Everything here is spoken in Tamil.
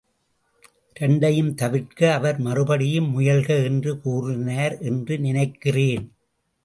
இரண்டையும் தவிர்க்க அவர் மறுபடியும் முயல்க என்று கூறினார் என்று நினைக்கிறேன்.